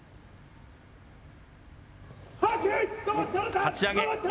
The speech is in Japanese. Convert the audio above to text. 立ち上げ。